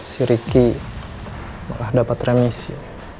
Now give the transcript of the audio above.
si ricky malah dapat remisi